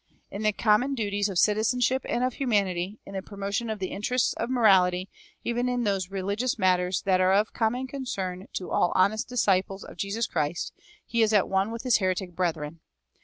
In the common duties of citizenship and of humanity, in the promotion of the interests of morality, even in those religious matters that are of common concern to all honest disciples of Jesus Christ, he is at one with his heretic brethren.